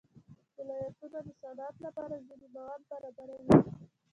ولایتونه د صنعت لپاره ځینې مواد برابروي.